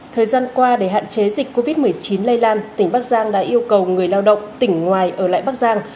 thời gian qua để hạn chế dịch covid một mươi chín lây lan tỉnh bắc giang đã yêu cầu người lao động tỉnh ngoài ở lại bắc giang